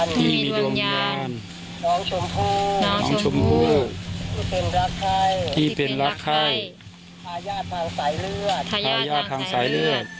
ที่มีดวงญาณน้องชมพู่ที่เป็นรักให้ทายาททางสายเลือด